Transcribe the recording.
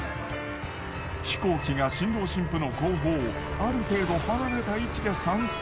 飛行機が新郎新婦の後方をある程度離れた位置で散水。